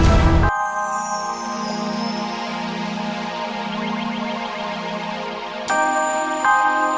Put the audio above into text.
ayo kita berdua berdua berdua